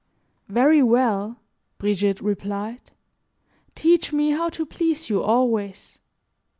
"Very well," Brigitte replied, "teach me how to please you always.